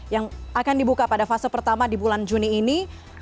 yang akan dibuka pada fase pertama di bulan juni ini